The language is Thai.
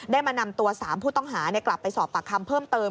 มานำตัว๓ผู้ต้องหากลับไปสอบปากคำเพิ่มเติม